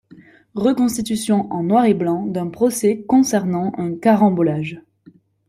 Reconstitution en noir et blanc d'un procès concernant un carambolage.